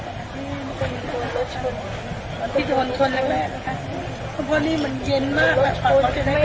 ได้ไหม